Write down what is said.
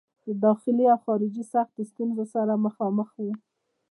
د داخلي او خارجي سختو ستونزو سره مخامخ وو.